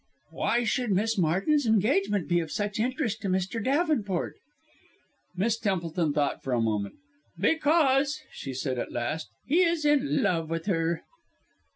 "Why should Miss Martin's engagement be of such interest to Mr. Davenport?" Miss Templeton thought for a moment. "Because," she said at last, "he is in love with her."